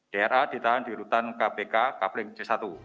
dra ditahan di rutan kpk kapling c satu